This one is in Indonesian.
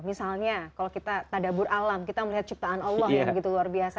misalnya kalau kita tadabur alam kita melihat ciptaan allah yang begitu luar biasa